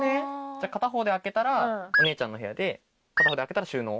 じゃあ片方で開けたらお姉ちゃんの部屋で片方で開けたら収納？